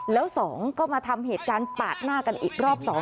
แล้วสองก็มาทำเหตุการณ์ปาดหน้ากันอีกรอบสอง